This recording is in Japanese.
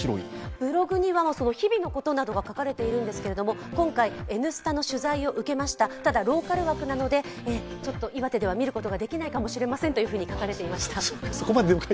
ブログには日々のことなどが書かれているんですけれども、今回、「Ｎスタ」の取材を受けました、ただローカル枠なので、ちょっと岩手では見ることができないかもしれないといっていました。